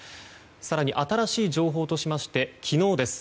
更に新しい情報としまして昨日です。